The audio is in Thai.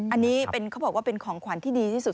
อันนี้เขาบอกว่าเป็นของขวัญที่ดีที่สุด